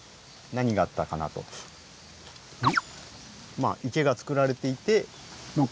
まあ池がつくられていて。